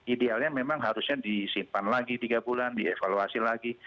idealnya memang harusnya disimpan lagi tiga bulan dievaluasi lagi